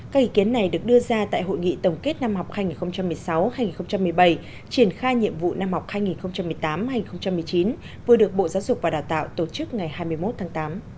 các ý kiến này được đưa ra tại hội nghị tổng kết năm học hành một mươi sáu hai nghìn một mươi bảy triển khai nhiệm vụ năm học hai nghìn một mươi tám hai nghìn một mươi chín vừa được bộ giáo dục và đào tạo tổ chức ngày hai mươi một tháng tám